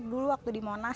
dulu waktu di monas